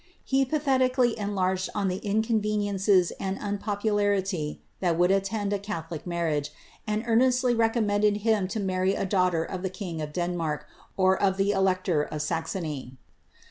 He pathetically enlarged on the inconveniences and un popalarity that would attend a catholic marriage, and earnestly recom mended him to marry a daughter of the king of Denmark, or of the elector of Saxony.